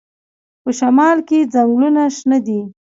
په شمال کې ځنګلونه شنه دي.